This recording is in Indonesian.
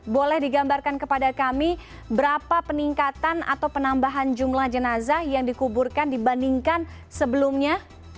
boleh digambarkan kepada kami berapa peningkatan atau penambahan jumlah jenazah yang dikuburkan dibandingkan sebelumnya